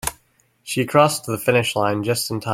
She crossed the finish line just in time.